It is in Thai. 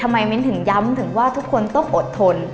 มิ้นถึงย้ำถึงว่าทุกคนต้องอดทน